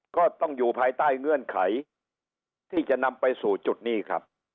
ก็ต้องอยู่ภายใต้เงื่อนไขที่จะนำไปสู่จุดนี้ครับ